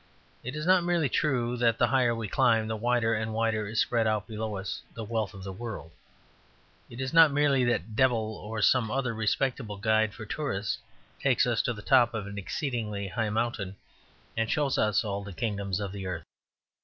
It is not merely true that the higher we climb the wider and wider is spread out below us the wealth of the world; it is not merely that the devil or some other respectable guide for tourists takes us to the top of an exceeding high mountain and shows us all the kingdoms of the earth.